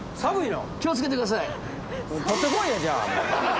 気を付けてください。